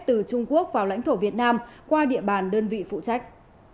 từ trung quốc vào lãnh thổ việt nam qua địa bàn đơn vị phụ trách